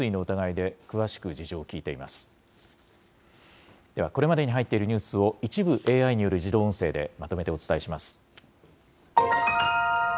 では、これまでに入っているニュースを一部、ＡＩによる自動音声でまとめてお伝えします。